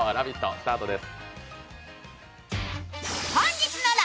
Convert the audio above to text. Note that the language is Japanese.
スタートです。